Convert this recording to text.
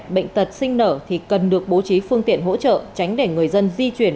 bệnh tật sinh nở thì cần được bố trí phương tiện hỗ trợ tránh để người dân di chuyển